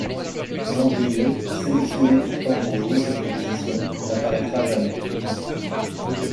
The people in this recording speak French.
Landrieux, sélectionnée pourtant pour jouer cette compétition, n'apparaîtra jamais.